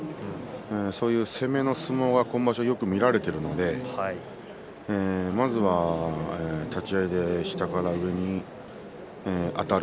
そういう攻めの相撲が今場所はよく見られているのでまずは立ち合いで下から上にあたる。